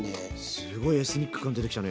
すごいエスニック感出てきたね。